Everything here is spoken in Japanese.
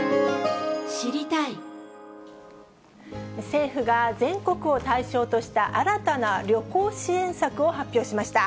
政府が全国を対象とした新たな旅行支援策を発表しました。